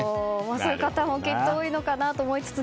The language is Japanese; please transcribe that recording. そういう方も多いのかなと思いつつ。